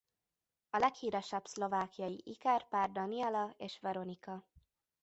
A leghíresebb szlovákiai ikerpár Daniela és Veronika.